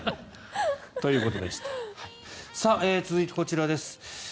続いてこちらです。